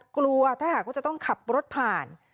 กลัวถ้าหากว่าจะต้องขับรถผ่าน